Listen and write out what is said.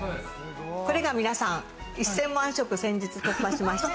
これが皆さん、１０００万食、先日突破しました。